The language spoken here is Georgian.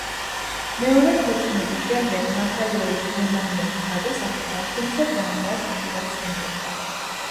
მეორე ქორწინების შემდეგ მართალია იგი გერმანიაში გადასახლდა, თუმცა დანიას ხშირად სტუმრობდა.